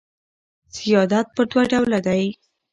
سیادت پر دوه ډوله دئ.